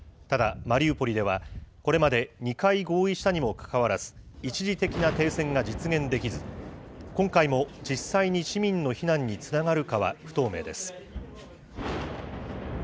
ただ、マリウポリではこれまで２回合意したにもかかわらず、一時的な停戦が実現できず、今回も実際に市民の避難につながるかは不透明です。